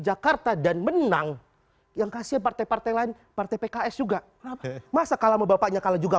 jakarta dan menang yang kasihan partai partai lain partai pks juga masa kalau bapaknya kalah juga